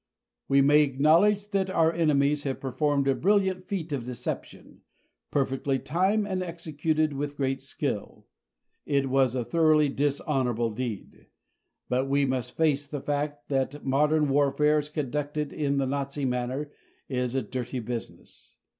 We may acknowledge that our enemies have performed a brilliant feat of deception, perfectly timed and executed with great skill. It was a thoroughly dishonorable deed, but we must face the fact that modern warfare as conducted in the Nazi manner is a dirty business.